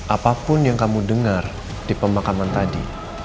apapun yang kamu dengar di pemakaman tadi